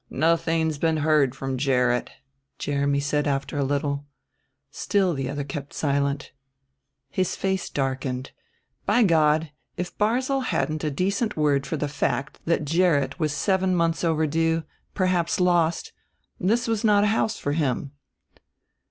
"Nothing's been heard from Gerrit," Jeremy said after a little. Still the other kept silent. His face darkened: by God, if Barzil hadn't a decent word for the fact that Gerrit was seven months overdue, perhaps lost, this was not a house for him.